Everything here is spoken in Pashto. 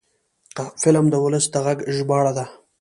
فلم د ولس د غږ ژباړه ده